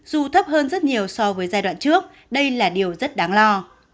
dù thấp hơn rất nhiều so với giai đoạn trước đây là điều rất đáng lo